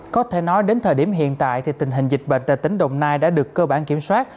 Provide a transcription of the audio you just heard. có thể nói đến thời điểm hiện tại thì tình hình dịch bệnh tại tỉnh đồng nai đã được cơ bản kiểm soát